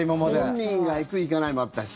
本人が行く、行かないもあったし。